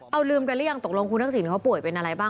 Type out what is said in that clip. เอาลืมกันหรือยังตกลงคุณศักดิ์สิงห์พ่อป่วยเป็นอะไรบ้าง